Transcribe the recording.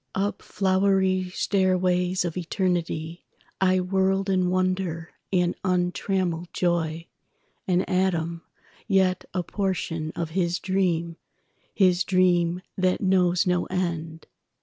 Up flowery stairways of eternityI whirled in wonder and untrammeled joy, An atom, yet a portion of His dream—His dream that knows no end.